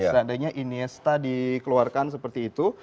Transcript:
seandainya iniesta dikeluarkan seperti itu